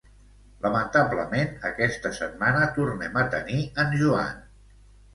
Lamentablement aquesta setmana tornem a tenir en Joan